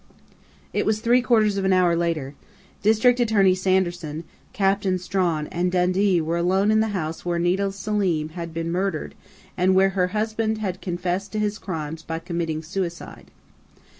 It was three quarters of an hour later. District Attorney Sanderson, Captain Strawn and Dundee were alone in the house where Nita "Selim" had been murdered and where her husband had confessed his crimes by committing suicide.